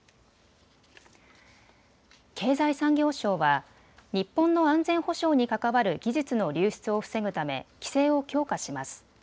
経済産業省は日本の安全保障に関わる技術の流出を防ぐため規制を強化します。